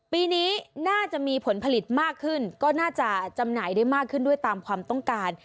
ปีนี้น่าจะมีผลผลิตมากขึ้นก็น่าจะจำหน่ายได้มากขึ้นด้วยตามความต้องการ